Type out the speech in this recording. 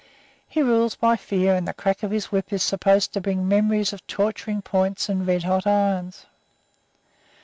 He rules by fear, and the crack of his whip is supposed to bring memories of torturing points and red hot irons.